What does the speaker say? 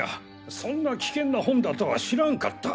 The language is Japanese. そんな危険な本だとは知らんかった。